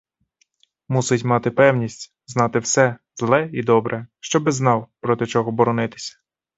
Мусить мати певність, знати все, зле і добре, щоби знав, проти чого боронитися.